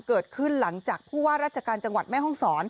เกิดขึ้นหลังจากผู้ว่าราชการจังหวัดแม่ห้องศร